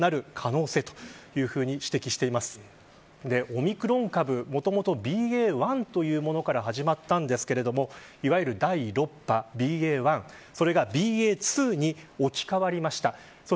オミクロン株、もともとＢＡ．１というものから始まったんですがいわゆる、第６波ＢＡ．１それがＢＡ．２に置き換わりました。